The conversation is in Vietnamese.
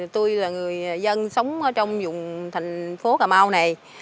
tôi là người dân sống trong dùng thành phố cà mau này